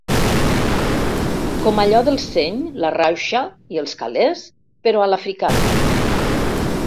Com allò del seny, la rauxa i els calés però a l'africana.